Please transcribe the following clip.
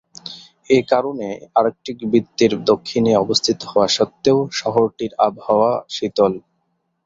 এ কারণে আর্কটিক বৃত্তের দক্ষিণে অবস্থিত হওয়া সত্ত্বেও শহরটির আবহাওয়া শীতল।